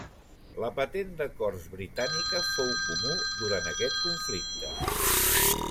La patent de cors britànica fou comú durant aquest conflicte.